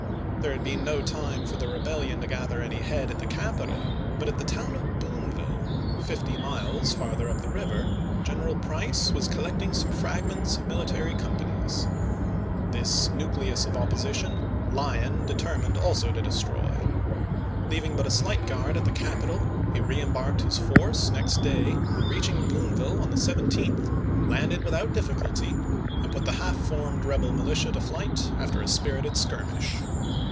There had been no time for the rebellion to gather any head at the capital ; but at the town of Boonville, fifty miles farther up the river, General Price was collecting some fragments of military companies. This nucleus of opposition Lyon de termined also to destroy. Leaving but a slight guard at the capital, he reembarked his force next day, and reaching Boonville on the 17th landed without difficulty, and put the half formed rebel militia to flight after a spirited skirmish.